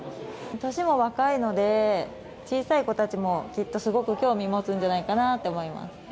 年も若いので小さい子たちも、きっとすごく興味を持つんじゃないかなと思います。